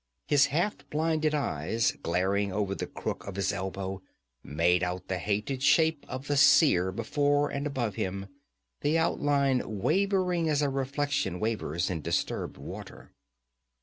His half blinded eyes, glaring over the crook of his elbow, made out the hated shape of the Seer before and above him, the outline wavering as a reflection wavers in disturbed water.